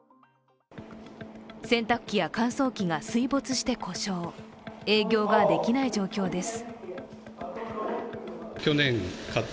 洗濯機や乾燥機が水没して故障、営業ができない状況です。